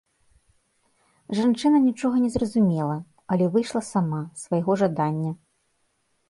Жанчына нічога не зразумела, але выйшла сама, з свайго жадання.